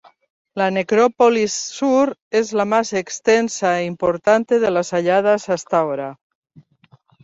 La "necrópolis sur" es la más extensa e importante de las halladas hasta ahora.